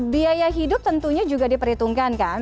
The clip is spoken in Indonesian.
biaya hidup tentunya juga diperhitungkan kan